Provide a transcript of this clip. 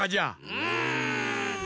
うん！